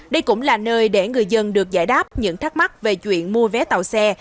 đây cũng là nơi để người dân được giải đáp những thắc mắc về chuyện mua vé tàu xe